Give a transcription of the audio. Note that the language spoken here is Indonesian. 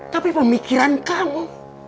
tapi pemikiran kamu